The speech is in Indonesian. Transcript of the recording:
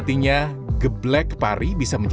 terima kasih mas